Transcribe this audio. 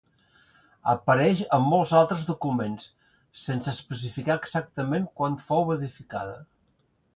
Apareix en molts altres documents, sense especificar exactament quan fou edificada.